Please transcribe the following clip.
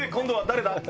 誰だ？